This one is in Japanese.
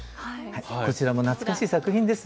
こちらも懐かしい作品です。